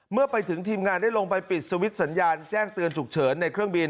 เมื่อไปถึงทีมงานได้ลงไปปิดสวิตช์สัญญาณแจ้งเตือนฉุกเฉินในเครื่องบิน